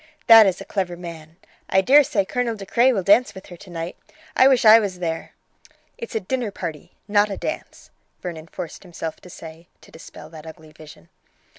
That is a clever man. I dare say Colonel De Craye will dance with her tonight. I wish I was there." "It's a dinner party, not a dance," Vernon forced himself to say, to dispel that ugly vision.